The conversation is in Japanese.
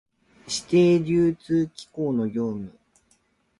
指定流通機構の業務